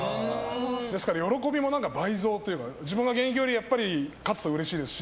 ですから喜びも倍増というか自分が現役よりやっぱり勝つとうれしいですし。